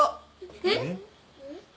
えっ。